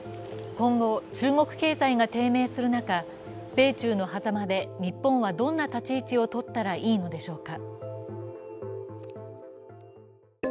今後、中国経済が低迷する中米中の狭間で日本はどんな立ち位置をとったらいいのでしょうか。